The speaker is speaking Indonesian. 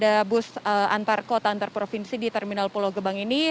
dan juga juga akan diadakan armada bus antar kota antar provinsi di terminal pulau gebang ini